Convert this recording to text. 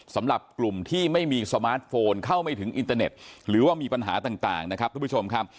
สำหรับกลุ่มที่ไม่มีสมาร์ทโฟนเข้าไม่ถึงอินเตอร์เน็ตหรือว่ามีปัญหาต่างนะครับทุกผู้ชมครับ